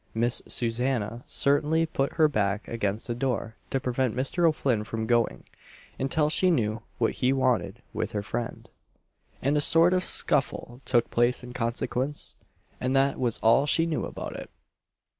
Miss Susanna certainly put her back against the door to prevent Mr. O'Flinn from going, until she knew what he wanted with her friend; and a sort of scuffle took place in consequence; and that was all she knew about it.